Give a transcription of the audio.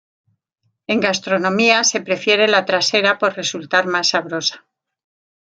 En gastronomía, se prefiere la trasera por resultar más sabrosa.